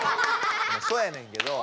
そやねんけど。